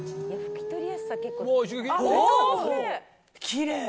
きれい！